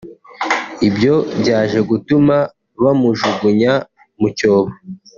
Ibyo byaje gutuma bamujugunya mu cyobo